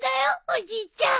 おじいちゃん。